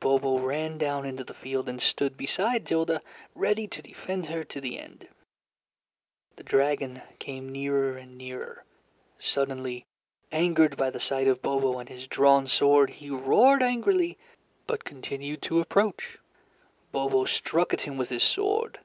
Bobo ran down into the field and stood beside Tilda, ready to defend her to the end. The dragon came nearer and nearer. Suddenly, angered by the sight of Bobo and his drawn sword, he roared angrily, but continued to approach. Bobo struck at him with his sword.